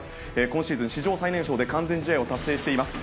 今シーズン史上最年少で完全試合を達成しています。